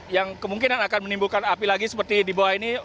yang kemungkinan akan menimbulkan api lagi seperti di bawah ini